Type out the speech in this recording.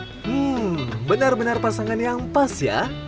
hmm benar benar pasangan yang pas ya